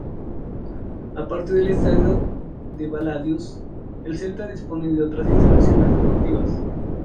Aparte del estadio de Balaídos el Celta dispone de otras instalaciones deportivas.